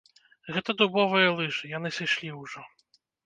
Гэта дубовыя лыжы, яны сышлі ўжо.